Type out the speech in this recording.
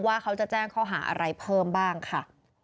ว่าเขาจะแจ้งข้อหาอะไรเพิ่มบ้างค่ะ